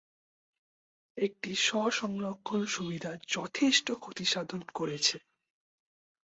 একটি স্ব-সংরক্ষণ সুবিধা যথেষ্ট ক্ষতিসাধন করেছে।